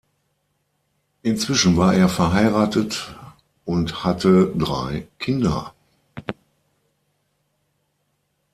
Inzwischen war er verheiratet und hatte drei Kinder.